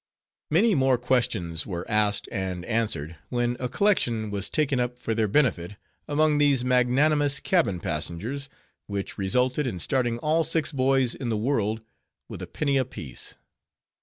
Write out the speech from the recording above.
Many more questions were asked and answered, when a collection was taken up for their benefit among these magnanimous cabin passengers, which resulted in starting all six boys in the world with a penny apiece.